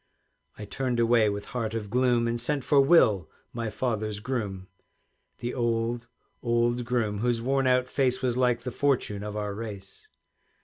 I turned away with heart of gloom, And sent for Will, my father's groom, The old, old groom, whose worn out face Was like the fortune of our race.